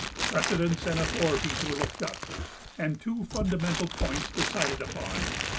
Precedents and authorities were looked up, and two fundamental points decided upon.